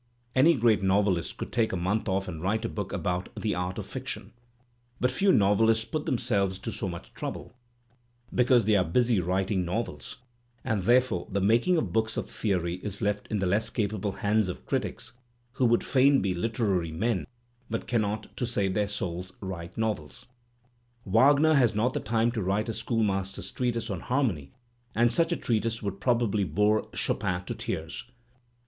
Any great novelist could take a month off and write a book about "the art of fiction," but few novehsts put themselves to Digitized by Google LANIER 819 so much trouble, because they are busy writing novels, and therefore the making of books of theoiy is left in the less capable hands of critics who would fain be hterary men but cannot, to save their souls, write novels. Wagner has not time to write a school master's treatise on harmony, and such a treatise would probably bore Chopin to tears.